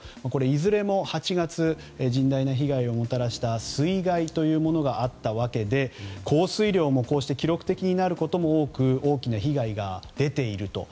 いずれも８月甚大な被害をもたらした水害というものがあったわけで降水量もこうして記録的になることも多く大きな被害が出ていると。